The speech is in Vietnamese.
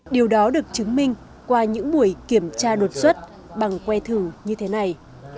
điều đó được chứng minh qua những buổi kiểm tra đột xuất bằng que thử như thế này